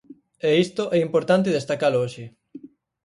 E isto é importante destacalo hoxe.